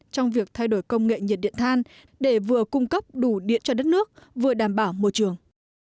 trong việc thay đổi công nghệ nhiệt điện than để vừa cung cấp đủ điện cho đất nước vừa đảm bảo môi trường